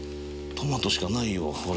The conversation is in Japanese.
トマトしかないよ。